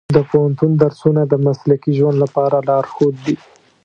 د پوهنتون درسونه د مسلکي ژوند لپاره لارښود دي.